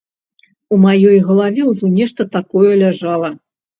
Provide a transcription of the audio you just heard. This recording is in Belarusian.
У маёй галаве ўжо нешта такое ляжала.